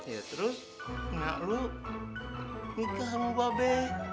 ya terus anak lu nikah sama mbak be